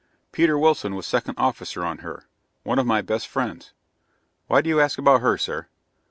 "Peter Wilson was Second Officer on her one of my best friends. Why do you ask about her, sir?"